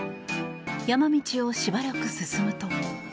山道をしばらく進むと。